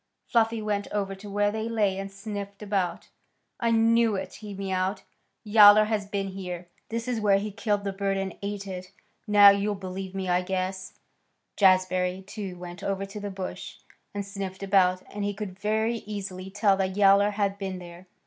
Fluffy went over to where they lay and sniffed about. "I knew it," he mewed. "Yowler has been here. This is where he killed the bird and ate it. Now you'll believe me, I guess." Jazbury, too, went over to the bush and sniffed about, and he could very easily tell that Yowler had been there.